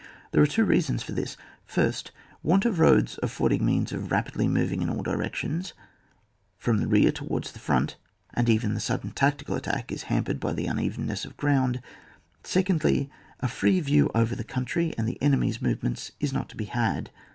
There are two rea sons for this : first, want of roads af* fording means of rapidly moving in all directions, from the rear towards the front, and even the sudden tactical at tack is hampered by the unevenness of ground ; secondly, a free view over the country, and the enemy's movements is not to be had.